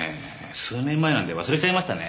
数年前なんで忘れちゃいましたね。